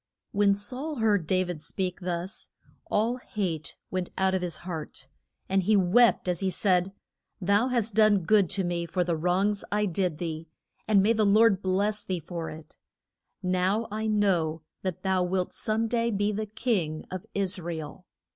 When Saul heard Da vid speak thus, all hate went out of his heart, and he wept as he said, Thou hast done good to me for the wrongs I did thee, and may the Lord bless thee for it. Now I know that thou wilt some day be the king of Is ra el.